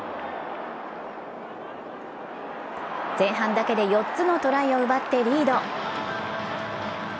前半だけで４つのトライを奪ってリード。